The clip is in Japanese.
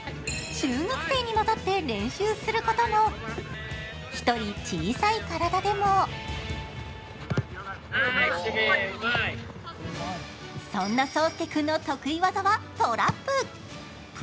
中学生に混ざって練習することも１人、小さい体でもそんな颯亮君の得意技はトラップ。